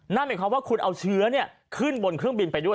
นั่นหมายความว่าคุณเอาเชื้อขึ้นบนเครื่องบินไปด้วย